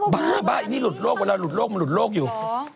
บ้าอันนี้หลุดโรคเวลาหลุดโรคมันหลุดโรคอยู่